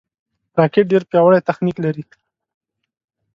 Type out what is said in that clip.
راکټ ډېر پیاوړی تخنیک لري